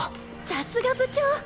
さすが部長！